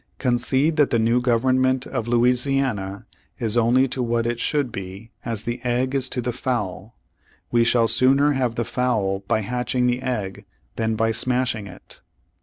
Concede that the new government of Louisiana is only to what it should be as the egg is to the fowl, we shall sooner have the fowl by hatching the egg than by smashing it."